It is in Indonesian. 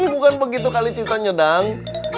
bukan begitu kali ceritanya dang